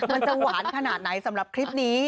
มันจะหวานขนาดไหนสำหรับคลิปนี้